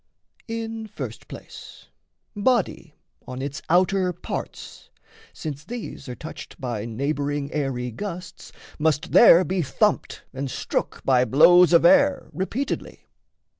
In first place, body on its outer parts Since these are touched by neighbouring aery gusts Must there be thumped and strook by blows of air Repeatedly.